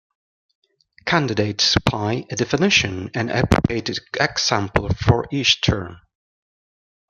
Candidates supply a definition and an appropriate example for each term.